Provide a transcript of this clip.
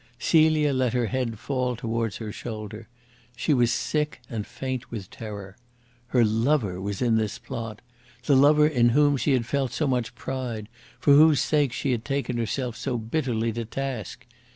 Celia let her head fall towards her shoulder. She was sick and faint with terror. Her lover was in this plot the lover in whom she had felt so much pride, for whose sake she had taken herself so bitterly to task.